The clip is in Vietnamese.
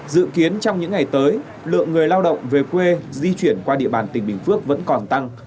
dự kiến trong những ngày tới lượng người lao động về quê di chuyển qua địa bàn tỉnh bình phước vẫn còn tăng